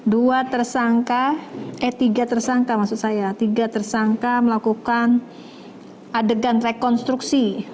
dua tersangka eh tiga tersangka maksud saya tiga tersangka melakukan adegan rekonstruksi